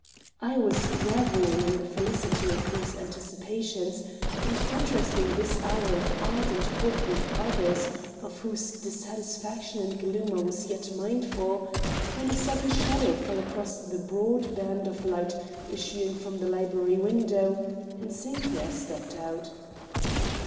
I was reveling in the felicity of these anticipations and contrasting this hour of ardent hope with others of whose dissatisfaction and gloom I was yet mindful, when a sudden shadow fell across the broad band of light issuing from the library window, and Sinclair stepped out.